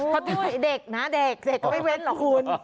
พอดูเด็กนะเด็กเด็กก็ไม่เว้นหรอกคุณ